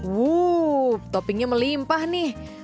wow toppingnya melimpah nih